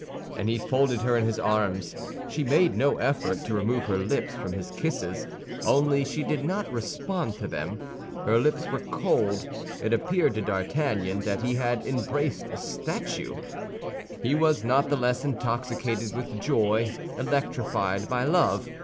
And he folded her in his arms. She made no effort to remove her lips from his kisses; only she did not respond to them. Her lips were cold; it appeared to D'Artagnan that he had embraced a statue. He was not the less intoxicated with joy, electrified by love.